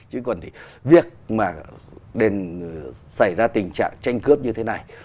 chứ còn thì việc mà đền xảy ra tình trạng tranh cướp như thế này